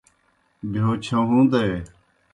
بہیو چھہُون٘دے۔